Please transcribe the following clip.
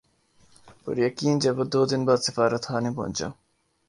پُریقین جب وہ دو دن بعد سفارتخانے پہنچا